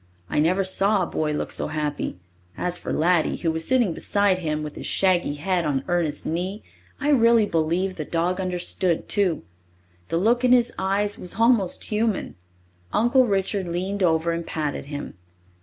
I never saw a boy look so happy. As for Laddie, who was sitting beside him with his shaggy head on Ernest's knee, I really believe the dog understood, too. The look in his eyes was almost human. Uncle Richard leaned over and patted him.